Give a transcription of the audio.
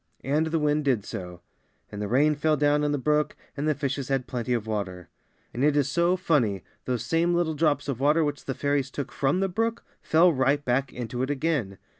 And the wind did so, and the rain fell down in the brook, and the fishes had plenty of water. And it is so funny! those same little drops of water which the fairies took from the brook fell right back into it again.